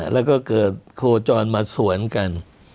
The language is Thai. แล้วก็เกิดโคจรมาสวนกัน